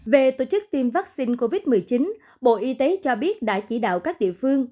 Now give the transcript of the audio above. về tổ chức tiêm vaccine covid một mươi chín bộ y tế cho biết đã chỉ đạo các địa phương